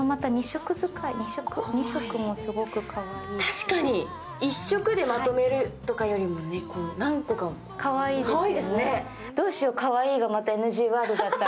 確かに１色でまとめるよりは何個かかわいいですよね。